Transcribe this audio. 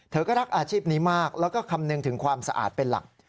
เธอก็รักอาชีพนี้มากแล้วก็คำนึงถึงความสะอาดเป็นหลัก